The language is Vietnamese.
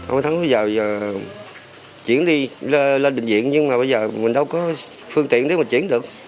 ông thắng bây giờ chuyển đi lên bệnh viện nhưng mà bây giờ mình đâu có phương tiện để mà chuyển được